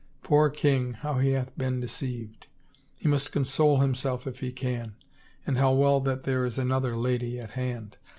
Poor king — how he hath been deceived! He must console himself if he can — and how well that there is another lady at hand!